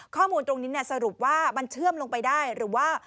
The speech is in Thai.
ข้อมูลตรงนี้สรุปว่ามันเชื่อมลงไปได้หรือว่า